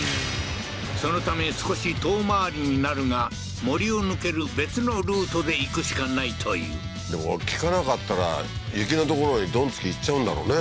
そのため少し遠回りになるが森を抜ける別のルートで行くしかないというでも聞かなかったら雪の所へどん突き行っちゃうんだろうね